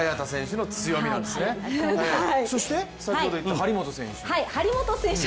そして、先ほど言った張本選手。